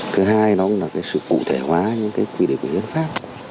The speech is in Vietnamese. thứ hai nó cũng là cái sự cụ thể hóa những cái quy định của hiến pháp